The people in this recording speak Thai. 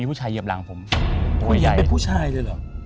ผู้หญิงของผมยาว